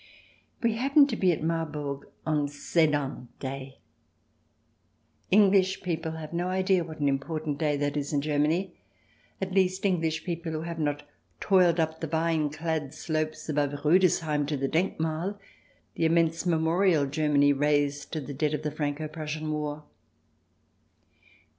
We happened to be at Marburg on Sedan Day. 10 146 THE DESIRABLE ALIEN [ch. x English people have no idea what an important day that is in Germany ; at least, English people who have not toiled up the vine clad slopes above Riide sheim to the Denkmal, the immense memorial Germany raised to its dead of the Franco Prussian War.